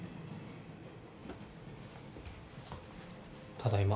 ただいま。